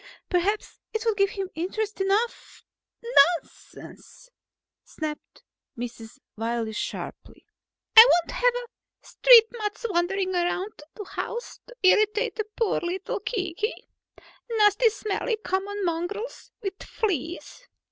"Perhaps it would give him interest enough ..." "Nonsense!" snapped Mrs. Wiley sharply. "I won't have street mutts wandering around the house to irritate poor little Kiki. Nasty smelly common mongrels with fleas.